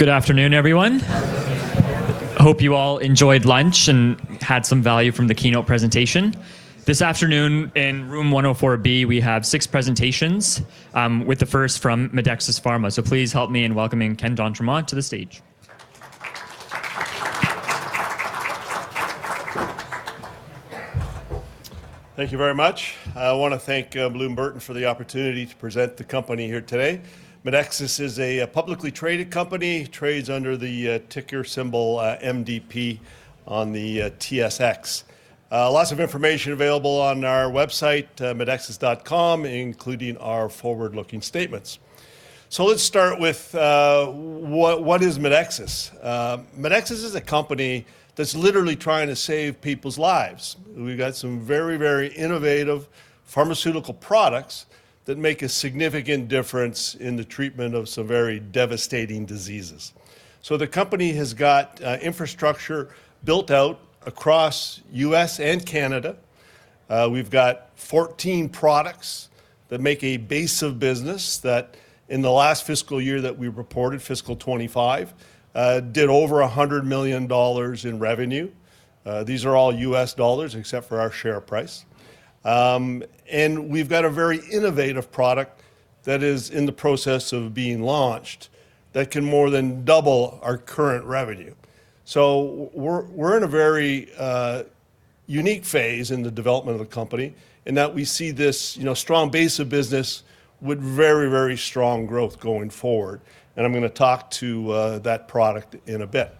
Good afternoon, everyone. Hope you all enjoyed lunch and had some value from the keynote presentation. This afternoon in Room 104B, we have six presentations, with the first from Medexus Pharmaceuticals. Please help me in welcoming Ken d'Entremont to the stage. Thank you very much. I want to thank Bloom Burton for the opportunity to present the company here today. Medexus is a publicly traded company, trades under the ticker symbol MDP on the TSX. Lots of information available on our website, medexus.com, including our forward-looking statements. Let's start with what is Medexus? Medexus is a company that's literally trying to save people's lives. We've got some very innovative pharmaceutical products that make a significant difference in the treatment of some very devastating diseases. The company has got infrastructure built out across U.S. and Canada. We've got 14 products that make a base of business that in the last fiscal year that we reported, fiscal 2025, did over $100 million in revenue. These are all U.S. Dollars except for our share price. We've got a very innovative product that is in the process of being launched that can more than double our current revenue. We're in a very unique phase in the development of the company in that we see this strong base of business with very strong growth going forward. I'm going to talk to that product in a bit.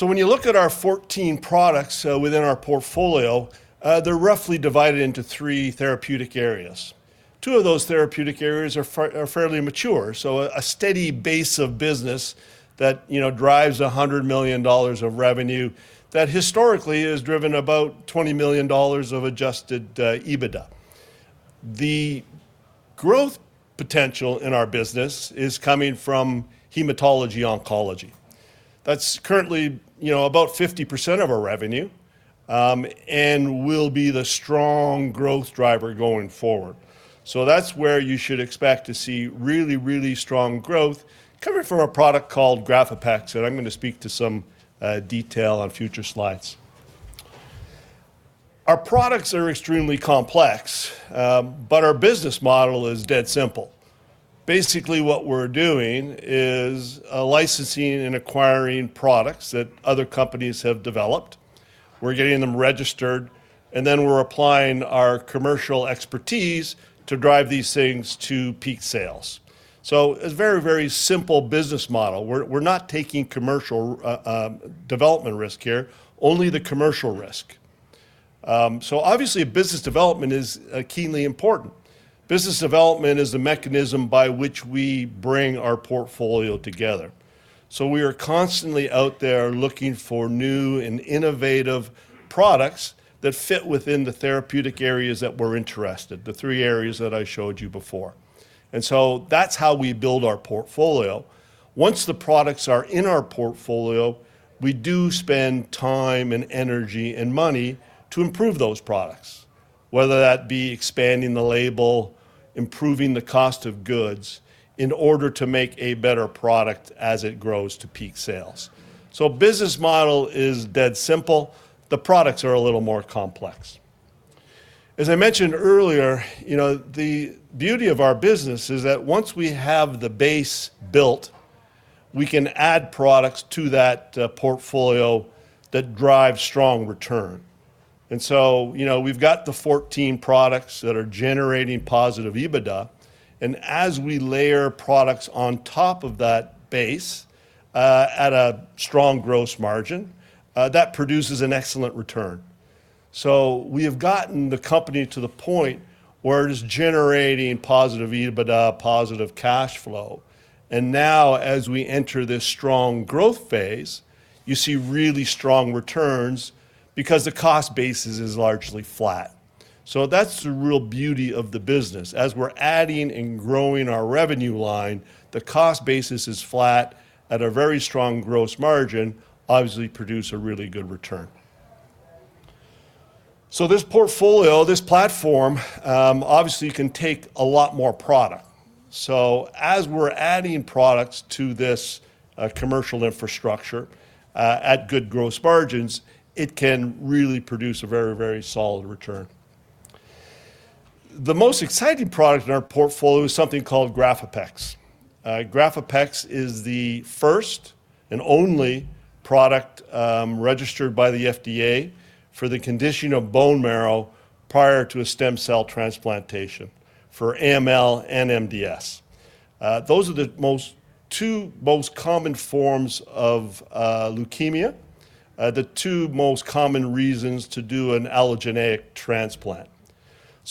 When you look at our 14 products within our portfolio, they're roughly divided into three therapeutic areas. Two of those therapeutic areas are fairly mature, so a steady base of business that drives $100 million of revenue that historically has driven about $20 million of adjusted EBITDA. The growth potential in our business is coming from hematology-oncology. That's currently about 50% of our revenue, and will be the strong growth driver going forward. That's where you should expect to see really strong growth coming from a product called GRAFAPEX that I'm going to speak to some detail on future slides. Our products are extremely complex, but our business model is dead simple. Basically, what we're doing is licensing and acquiring products that other companies have developed. We're getting them registered, and then we're applying our commercial expertise to drive these things to peak sales. It's a very simple business model. We're not taking commercial development risk here, only the commercial risk. Obviously, business development is keenly important. Business development is the mechanism by which we bring our portfolio together. We are constantly out there looking for new and innovative products that fit within the therapeutic areas that we're interested, the three areas that I showed you before. That's how we build our portfolio. Once the products are in our portfolio, we do spend time and energy and money to improve those products, whether that be expanding the label, improving the cost of goods in order to make a better product as it grows to peak sales. Business model is dead simple. The products are a little more complex. As I mentioned earlier, the beauty of our business is that once we have the base built, we can add products to that portfolio that drive strong return. We've got the 14 products that are generating positive EBITDA, and as we layer products on top of that base at a strong gross margin, that produces an excellent return. We have gotten the company to the point where it is generating positive EBITDA, positive cash flow. Now as we enter this strong growth phase, you see really strong returns because the cost basis is largely flat. That's the real beauty of the business. As we're adding and growing our revenue line, the cost basis is flat at a very strong gross margin, obviously produce a really good return. This portfolio, this platform, obviously can take a lot more product. As we're adding products to this commercial infrastructure at good gross margins, it can really produce a very solid return. The most exciting product in our portfolio is something called GRAFAPEX. GRAFAPEX is the first and only product registered by the FDA for the condition of bone marrow prior to a stem cell transplantation for AML and MDS. Those are the two most common forms of leukemia, the two most common reasons to do an allogeneic transplant.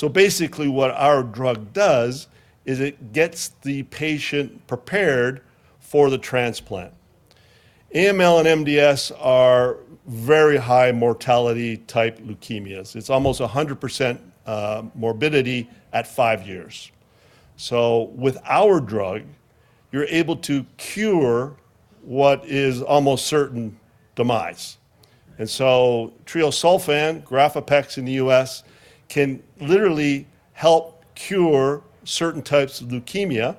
Basically, what our drug does is it gets the patient prepared for the transplant. AML and MDS are very high mortality type leukemias. It's almost 100% morbidity at five years. With our drug, you're able to cure what is almost certain demise. Treosulfan, GRAFAPEX in the U.S., can literally help cure certain types of leukemia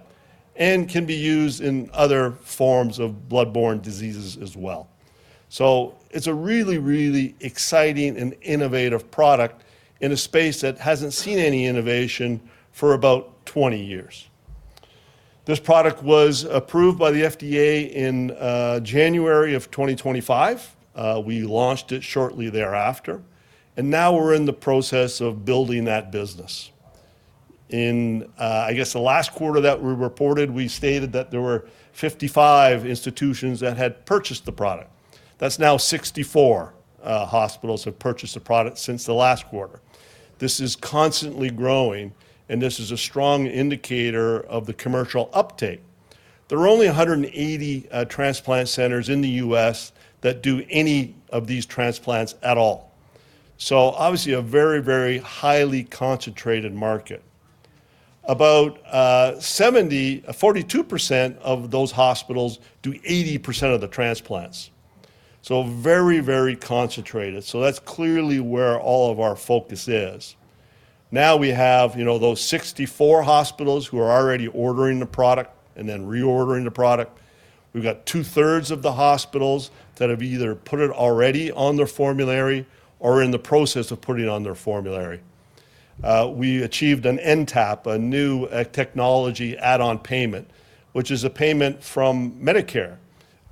and can be used in other forms of blood-borne diseases as well. It's a really, really exciting and innovative product in a space that hasn't seen any innovation for about 20 years. This product was approved by the FDA in January of 2025. We launched it shortly thereafter, and now we're in the process of building that business. In, I guess, the last quarter that we reported, we stated that there were 55 institutions that had purchased the product. That's now 64 hospitals have purchased the product since the last quarter. This is constantly growing, and this is a strong indicator of the commercial uptake. There are only 180 transplant centers in the U.S. that do any of these transplants at all. Obviously a very, very highly concentrated market. About 42% of those hospitals do 80% of the transplants. Very, very concentrated. That's clearly where all of our focus is. Now we have those 64 hospitals who are already ordering the product and then reordering the product. We've got two-thirds of the hospitals that have either put it already on their formulary or are in the process of putting it on their formulary. We achieved an NTAP, a new technology add-on payment, which is a payment from Medicare.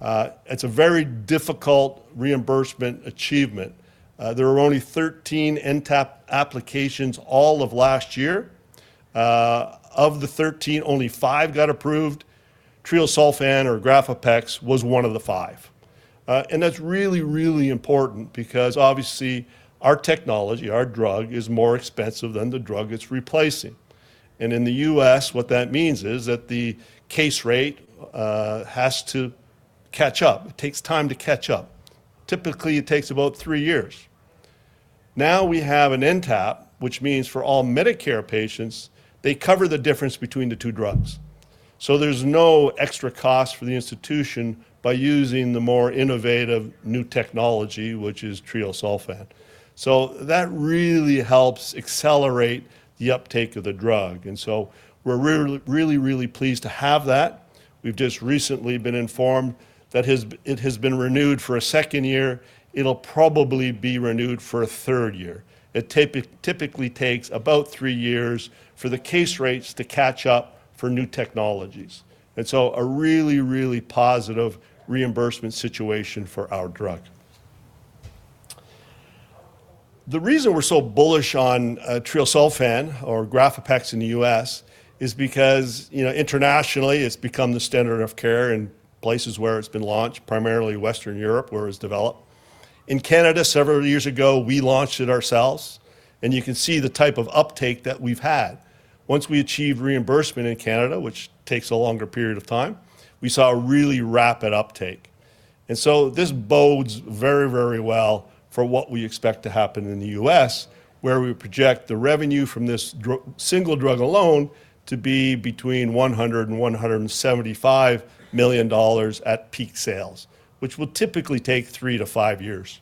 It's a very difficult reimbursement achievement. There were only 13 NTAP applications all of last year. Of the 13, only five got approved. Treosulfan or GRAFAPEX was one of the five. That's really, really important because obviously our technology, our drug is more expensive than the drug it's replacing. In the U.S., what that means is that the case rate has to catch up. It takes time to catch up. Typically, it takes about three years. Now we have an NTAP, which means for all Medicare patients, they cover the difference between the two drugs. There's no extra cost for the institution by using the more innovative new technology, which is Treosulfan. That really helps accelerate the uptake of the drug, and so we're really, really pleased to have that. We've just recently been informed that it has been renewed for a second year. It'll probably be renewed for a third year. It typically takes about three years for the case rates to catch up for new technologies, and so a really, really positive reimbursement situation for our drug. The reason we're so bullish on Treosulfan or GRAFAPEX in the U.S. is because internationally, it's become the standard of care in places where it's been launched, primarily Western Europe, where it was developed. In Canada, several years ago, we launched it ourselves, and you can see the type of uptake that we've had. Once we achieved reimbursement in Canada, which takes a longer period of time, we saw a really rapid uptake. This bodes very, very well for what we expect to happen in the U.S., where we project the revenue from this single drug alone to be between $100 million and $175 million at peak sales, which will typically take three to five years.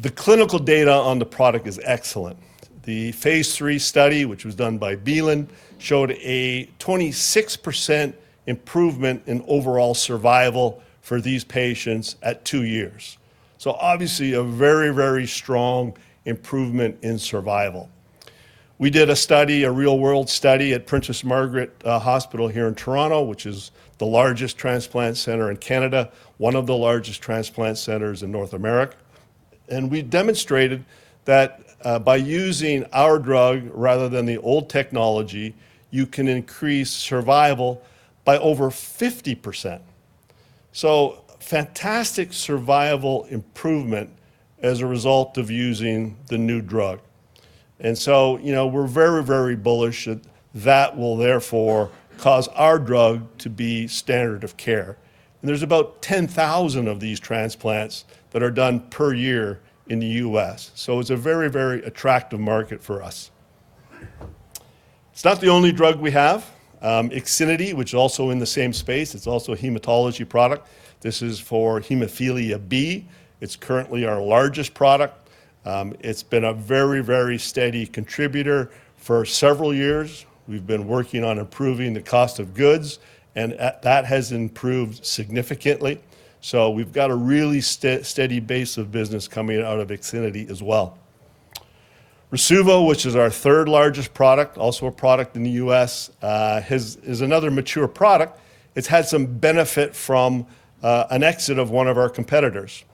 The clinical data on the product is excellent. The phase III study, which was done by Beaten, showed a 26% improvement in overall survival for these patients at two years. Obviously a very, very strong improvement in survival. We did a study, a real-world study at Princess Margaret Cancer Centre here in Toronto, which is the largest transplant center in Canada, one of the largest transplant centers in North America. We demonstrated that by using our drug rather than the old technology, you can increase survival by over 50%. Fantastic survival improvement as a result of using the new drug. We're very, very bullish that that will therefore cause our drug to be standard of care. There's about 10,000 of these transplants that are done per year in the U.S. It's a very, very attractive market for us. It's not the only drug we have. IXINITY, which is also in the same space. It's also a hematology product. This is for Hemophilia B. It's currently our largest product. It's been a very, very steady contributor for several years. We've been working on improving the cost of goods, and that has improved significantly. We've got a really steady base of business coming out of IXINITY as well. Rasuvo, which is our third largest product, also a product in the U.S., is another mature product. It's had some benefit from an exit of one of our competitors.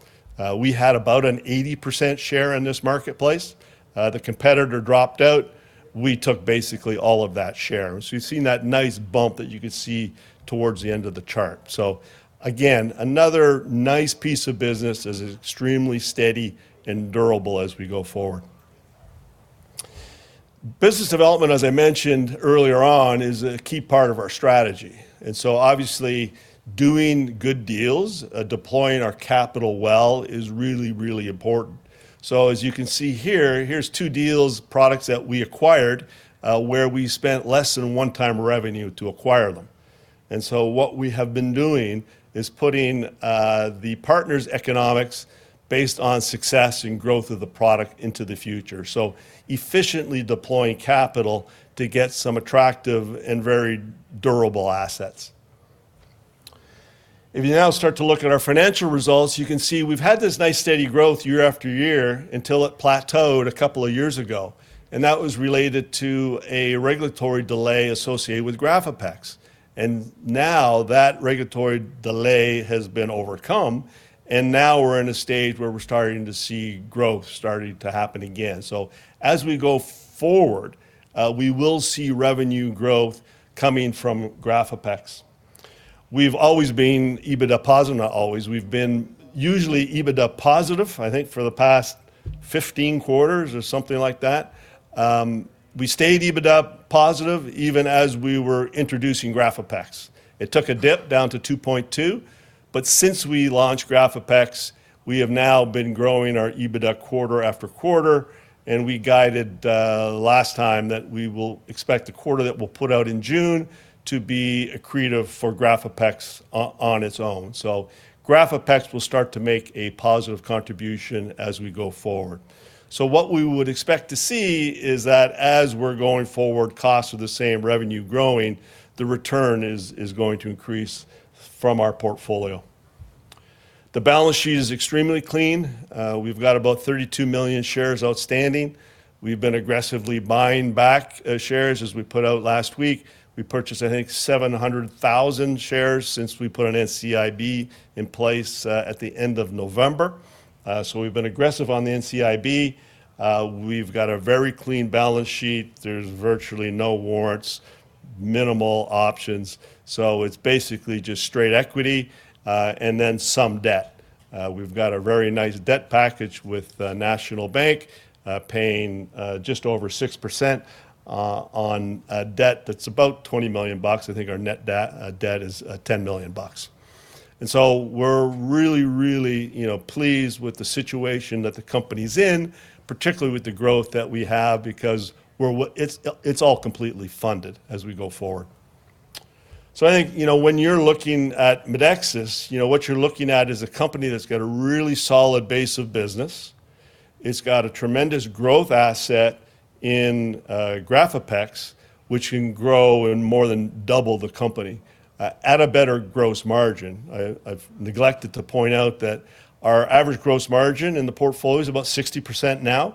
We had about an 80% share in this marketplace. The competitor dropped out. We took basically all of that share. You've seen that nice bump that you could see towards the end of the chart. Again, another nice piece of business that is extremely steady and durable as we go forward. Business development, as I mentioned earlier on, is a key part of our strategy. Obviously doing good deals, deploying our capital well is really, really important. As you can see here's two deals, products that we acquired, where we spent less than one-time revenue to acquire them. What we have been doing is putting the partners' economics based on success and growth of the product into the future. Efficiently deploying capital to get some attractive and very durable assets. If you now start to look at our financial results, you can see we've had this nice steady growth year after year until it plateaued a couple of years ago, and that was related to a regulatory delay associated with GRAFAPEX. Now that regulatory delay has been overcome, and now we're in a stage where we're starting to see growth starting to happen again. As we go forward, we will see revenue growth coming from GRAFAPEX. We've always been EBITDA positive. Not always. We've been usually EBITDA positive, I think, for the past 15 quarters or something like that. We stayed EBITDA positive even as we were introducing GRAFAPEX. It took a dip down to $2.2. Since we launched GRAFAPEX, we have now been growing our EBITDA quarter after quarter, and we guided last time that we will expect the quarter that we'll put out in June to be accretive for GRAFAPEX on its own. GRAFAPEX will start to make a positive contribution as we go forward. What we would expect to see is that as we're going forward, costs are the same, revenue growing, the return is going to increase from our portfolio. The balance sheet is extremely clean. We've got about 32 million shares outstanding. We've been aggressively buying back shares. As we put out last week, we purchased, I think, 700,000 shares since we put an NCIB in place at the end of November. We've been aggressive on the NCIB. We've got a very clean balance sheet. There's virtually no warrants, minimal options, so it's basically just straight equity, and then some debt. We've got a very nice debt package with National Bank, paying just over 6% on debt that's about $20 million. I think our net debt is $10 million. We're really, really pleased with the situation that the company's in, particularly with the growth that we have, because it's all completely funded as we go forward. I think, when you're looking at Medexus, what you're looking at is a company that's got a really solid base of business. It's got a tremendous growth asset in GRAFAPEX, which can grow and more than double the company at a better gross margin. I've neglected to point out that our average gross margin in the portfolio is about 60% now.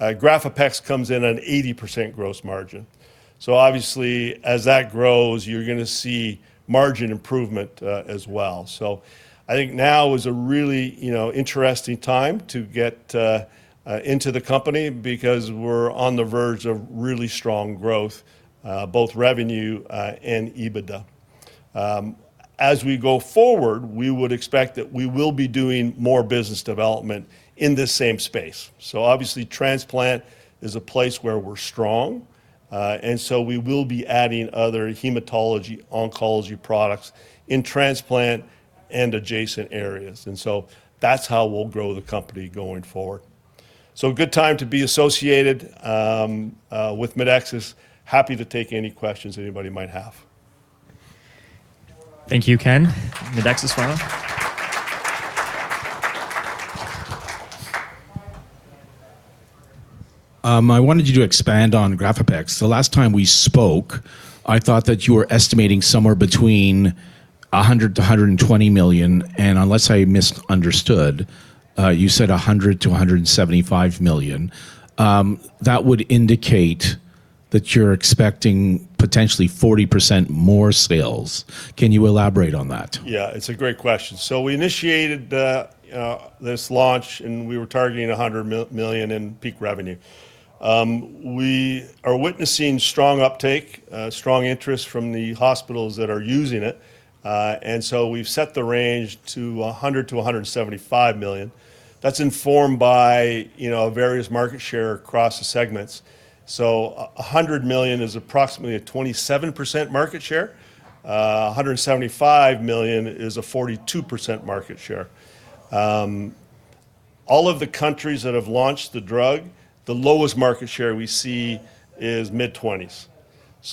GRAFAPEX comes in at an 80% gross margin. Obviously, as that grows, you're going to see margin improvement as well. I think now is a really interesting time to get into the company, because we're on the verge of really strong growth, both revenue and EBITDA. As we go forward, we would expect that we will be doing more business development in this same space. Obviously, transplant is a place where we're strong. We will be adding other hematology, oncology products in transplant and adjacent areas. That's how we'll grow the company going forward. A good time to be associated with Medexus. Happy to take any questions anybody might have. Thank you, Ken. Medexus Pharmaceuticals. I wanted you to expand on GRAFAPEX. The last time we spoke, I thought that you were estimating somewhere between $100 million-$120 million, and unless I misunderstood, you said $100 million-$175 million. That would indicate that you're expecting potentially 40% more sales. Can you elaborate on that? Yeah, it's a great question. We initiated this launch, and we were targeting $100 million in peak revenue. We are witnessing strong uptake, strong interest from the hospitals that are using it. We've set the range to $100 million-$175 million. That's informed by various market share across the segments. $100 million is approximately a 27% market share. $175 million is a 42% market share. All of the countries that have launched the drug, the lowest market share we see is mid-20s.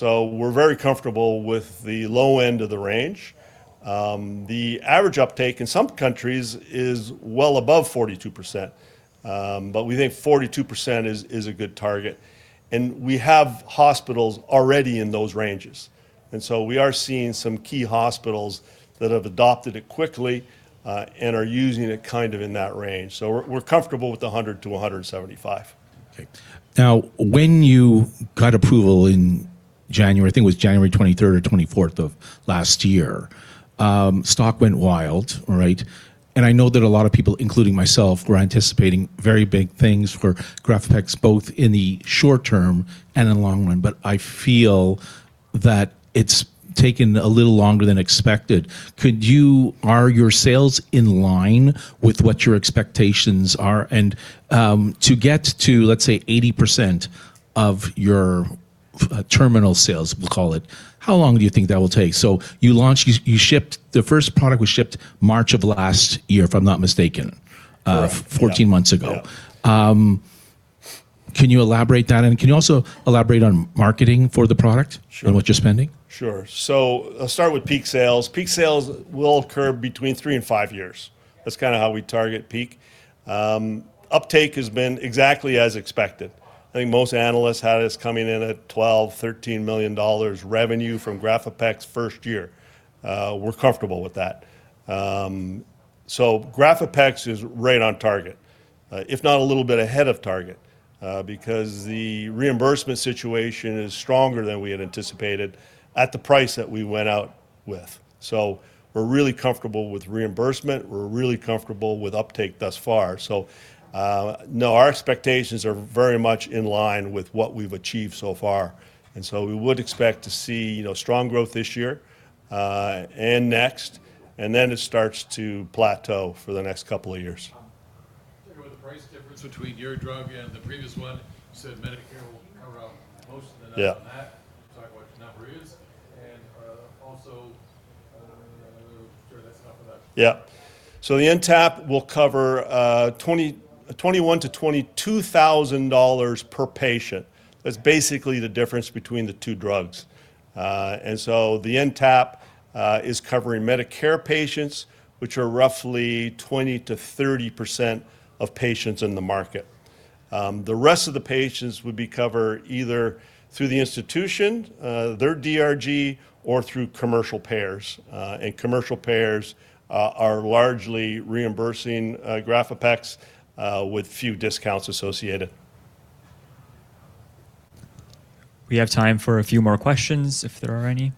We're very comfortable with the low end of the range. The average uptake in some countries is well above 42%, but we think 42% is a good target, and we have hospitals already in those ranges. We are seeing some key hospitals that have adopted it quickly, and are using it kind of in that range. We're comfortable with the $100-$175 million. Okay. Now, when you got approval in January, I think it was January 23rd or 24th of last year, stock went wild. Right? I know that a lot of people, including myself, were anticipating very big things for GRAFAPEX, both in the short term and in the long run, but I feel that it's taken a little longer than expected. Are your sales in line with what your expectations are? To get to, let's say, 80% of your terminal sales, we'll call it, how long do you think that will take? You launched. The first product was shipped March of last year, if I'm not mistaken. Correct. Yeah. 14 months ago. Yeah. Can you elaborate on that? Can you also elaborate on marketing for the product? What you're spending? Sure. I'll start with peak sales. Peak sales will occur between three and five years. That's kind of how we target peak. Uptake has been exactly as expected. I think most analysts had us coming in at $12-$13 million revenue from GRAFAPEX first year. We're comfortable with that. GRAFAPEX is right on target, if not a little bit ahead of target, because the reimbursement situation is stronger than we had anticipated at the price that we went out with. We're really comfortable with reimbursement. We're really comfortable with uptake thus far. No, our expectations are very much in line with what we've achieved so far. We would expect to see strong growth this year, and next, and then it starts to plateau for the next couple of years. Can I go with the price difference between your drug and the previous one? You said Medicare will cover up most of the amount on that. Yeah. Can you talk about what the number is? Also, share that stuff with us. Yeah. The NTAP will cover $21,000-$22,000 per patient. That's basically the difference between the two drugs. The NTAP is covering Medicare patients, which are roughly 20%-30% of patients in the market. The rest of the patients would be covered either through the institution, their DRG, or through commercial payers. Commercial payers are largely reimbursing GRAFAPEX with few discounts associated. We have time for a few more questions if there are any.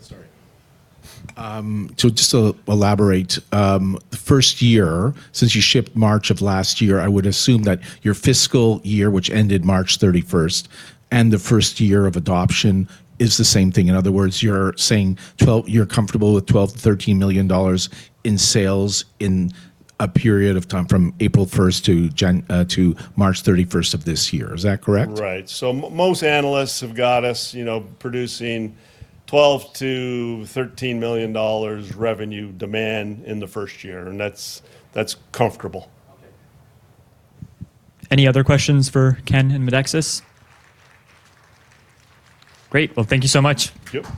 Sorry. To just elaborate, the first year, since you shipped in March of last year, I would assume that your fiscal year, which ended March 31st, and the first year of adoption is the same thing. In other words, you're saying you're comfortable with $12 million-$13 million in sales in a period of time from April 1st to March 31st of this year. Is that correct? Right. Most analysts have got us producing $12 million-$13 million revenue demand in the first year, and that's comfortable. Okay. Any other questions for Ken and Medexus? Great. Well, thank you so much. Thank you.